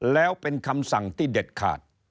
แล้วเป็นคำสั่งที่เด็ดขาด